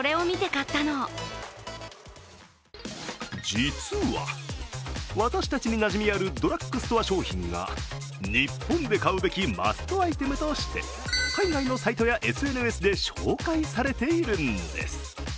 実は、私たちになじみあるドラッグストア商品が、日本で買うべきマストアイテムとして海外のサイトやＳＮＳで紹介されているんです。